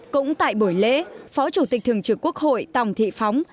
cũng tại buổi lễ phó chủ tịch thường trực quốc hội tòng thị phóng